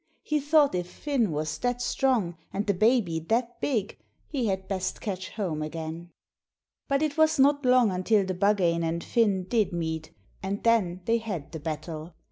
He thought if Finn was that strong and the baby that big, he had best catch home again. But it was not long until the Buggane and Finn did meet, and then they had the battle!